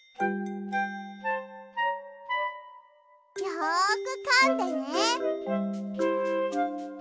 よくかんでね。